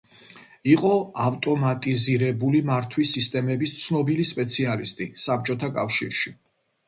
იყო ავტომატიზირებული მართვის სისტემების ცნობილი სპეციალისტი საბჭოთა კავშირში.